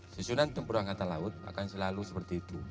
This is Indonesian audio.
susunan tempur angkatan laut akan selalu seperti itu